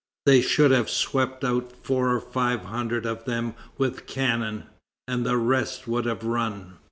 They should have swept out four or five hundred of them with cannon, and the rest would have run."